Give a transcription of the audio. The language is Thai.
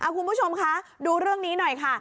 คุณผู้ชมคะดูเรื่องนี้หน่อยค่ะ